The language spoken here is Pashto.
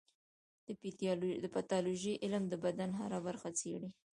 د پیتالوژي علم د بدن هره برخه څېړي.